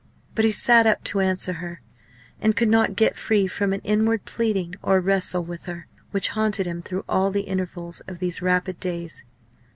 But he sat up to answer her, and could not get free from an inward pleading or wrestle with her, which haunted him through all the intervals of these rapid days.